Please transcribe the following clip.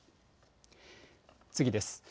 次です。